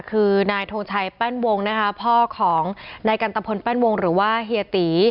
คือนายทงชัยแป้นวงนะคะพ่อของนายกันตะพลแป้นวงหรือว่าเฮียตี